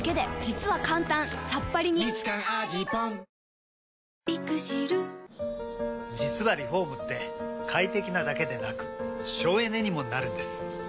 うわー、実はリフォームって快適なだけでなく省エネにもなるんです。